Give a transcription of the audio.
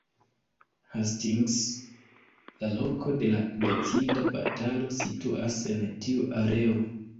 Hastings, la loko de la decida batalo situas en tiu areo.